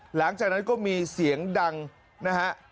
หลังจากนั้นก็มีเสียงดังนะฮะ